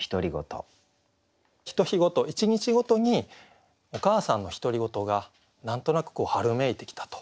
１日ごとにお母さんの独り言が何となく春めいてきたと。